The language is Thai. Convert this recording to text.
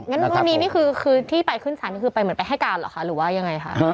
งั้นวันนี้นี่คือที่ไปขึ้นสารนี่คือไปเหมือนไปให้การเหรอคะหรือว่ายังไงคะ